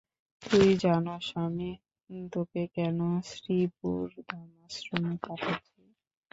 তুই জানোস আমি তোকে কেন শ্রীপুরধাম আশ্রমে পাঠাচ্ছি?